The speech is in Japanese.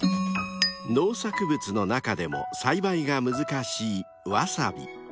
［農作物の中でも栽培が難しいワサビ］